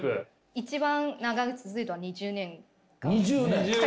一番長く続いたのは２０年間。